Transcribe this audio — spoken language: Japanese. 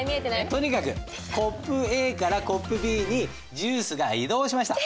とにかくコップＡからコップＢにジュースが移動しました。